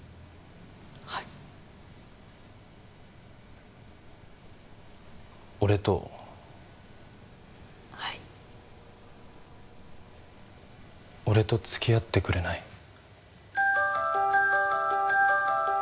はい俺とはい俺とつきあってくれない？